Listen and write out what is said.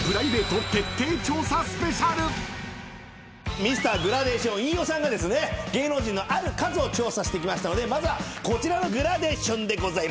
Ｍｒ．グラデーション飯尾さんが芸能人のある数を調査してきましたのでまずはこちらのグラデーションです。